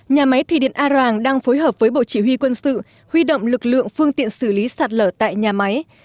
nhà máy thủy điện arang đang phối hợp với bộ chỉ huy quân sự huy động lực lượng phương tiện xử lý sạt lở tại nhà máy